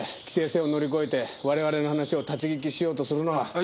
規制線を乗り越えて我々の話を立ち聞きしようとするのは。